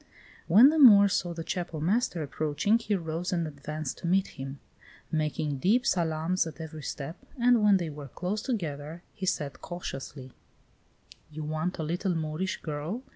When the Moor saw the Chapel master approaching, he rose and advanced to meet him, making deep salaams at every step, and when they were close together, he said cautiously: "You want a little Moorish girl?